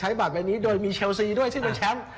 บัตรใบนี้โดยมีเชลซีด้วยซึ่งเป็นแชมป์